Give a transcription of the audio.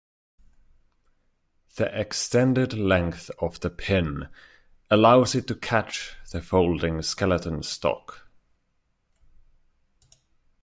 The extended length of the pin allows it to catch the folding skeleton stock.